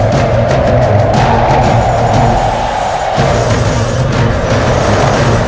tidak apa apa raden